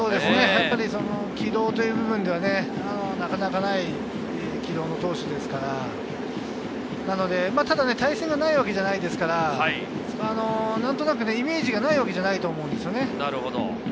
軌道という部分ではなかなかない軌道の投手ですから、対戦がないわけじゃないですから、何となくイメージがないわけじゃないと思うんですよね。